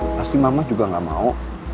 pasti mama juga nggak mau